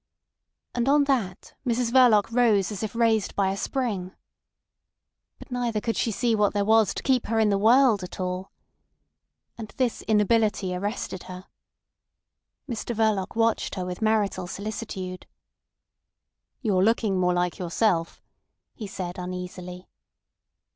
And on that Mrs Verloc rose as if raised by a spring. But neither could she see what there was to keep her in the world at all. And this inability arrested her. Mr Verloc watched her with marital solicitude. "You're looking more like yourself," he said uneasily.